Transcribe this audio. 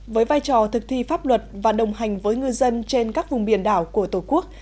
với vai trò thực thi pháp luật và đồng hành với ngư dân trên các vùng biển đảo của tổ quốc